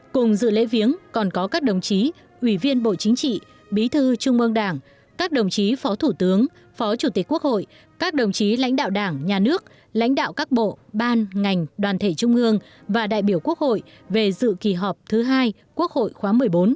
cùng dự lễ viếng còn có các đồng chí ủy viên bộ chính trị bí thư trung ương đảng các đồng chí phó thủ tướng phó chủ tịch quốc hội các đồng chí lãnh đạo đảng nhà nước lãnh đạo các bộ ban ngành đoàn thể trung ương và đại biểu quốc hội về dự kỳ họp thứ hai quốc hội khóa một mươi bốn